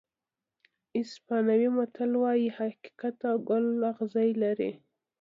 اسپانوي متل وایي حقیقت او ګل اغزي لري.